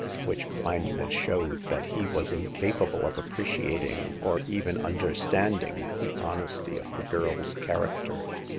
Which blindness showed that he was incapable of appreciating or even understanding the honesty of the girl's character.